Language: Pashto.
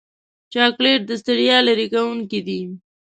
چاکلېټ د ستړیا لرې کوونکی دی.